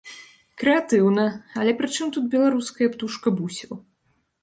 Крэатыўна, але пры чым тут беларуская птушка бусел?